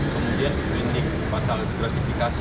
kemudian seperindik pasal gratifikasi